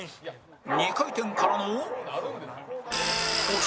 ２回転からの